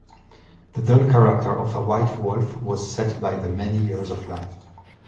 The dull character of a white wolf was set by the many years of life.